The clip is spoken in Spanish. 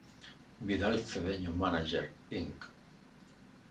Vidal Cedeño Manager, Inc.